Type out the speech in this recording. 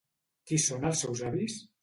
Qui són els seus avis?